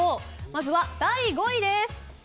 まずは第５位です。